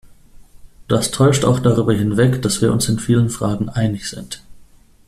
Das täuscht auch darüber hinweg, dass wir uns in vielen Fragen einig sind.